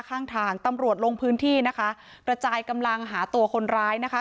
ข้างทางตำรวจลงพื้นที่นะคะกระจายกำลังหาตัวคนร้ายนะคะ